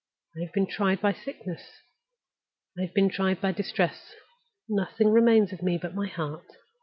I have been tried by sickness, I have been tried by distress. Nothing remains of me but my heart.